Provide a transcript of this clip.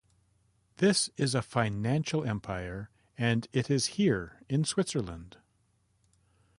This is a financial empire and it is here in Switzerland.